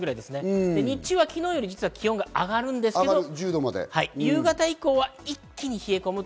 日中は昨日より気温が上がるんですけれど、夕方以降は一気に冷え込みます。